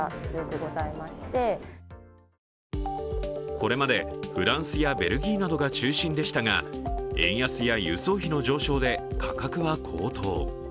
これまでフランスやベルギーなどが中心でしたが円安や輸送費の上昇で価格が高騰。